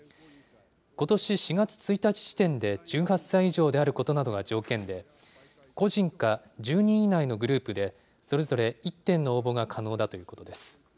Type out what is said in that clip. ことし４月１日時点で１８歳以上であることなどが条件で、個人か、１０人以内のグループで、それぞれ１点の応募が可能だということです。